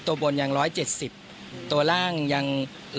ตัวบนยัง๑๗๐ตัวล่างยัง๑๑๕๑๒๐